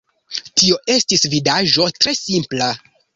Tio estis vidaĵo tre simpla.